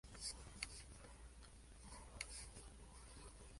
Desde entonces, el museo ha investigado, conservado y difundido el fado.